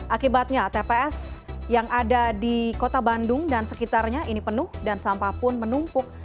akibatnya tps yang ada di kota bandung dan sekitarnya ini penuh dan sampah pun menumpuk